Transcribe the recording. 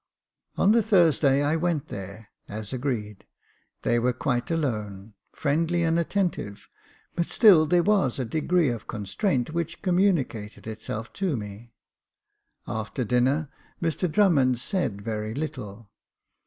On the Thursday I went there, as agreed ; they were quite alone ; friendly and attentive j but still there was a degree of constraint which communicated itself to me. After dinner, Mr Drummond said very little.